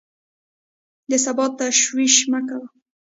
د سبا تشویش مه کوه!